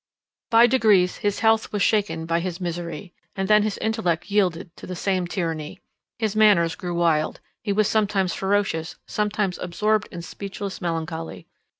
By degrees his health was shaken by his misery, and then his intellect yielded to the same tyranny. His manners grew wild; he was sometimes ferocious, sometimes absorbed in speechless melancholy.